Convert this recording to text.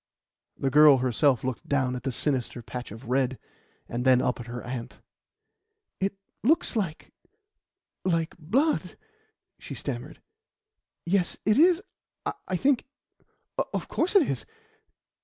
The girl herself looked down at the sinister patch of red and then up at her aunt. "It looks like like blood," she stammered. "Yes, it is I think of course it is.